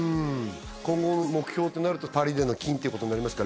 今後の目標ってなるとパリでの金ってことになりますか？